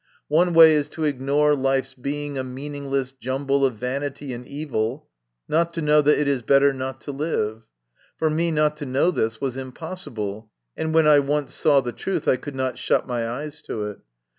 One way is to ignore life's being a meaning less jumble of vanity and evil not to know that it is better not to live. For me not to know this was impossible ; and when I once saw the truth, I could not shut my eyes to it.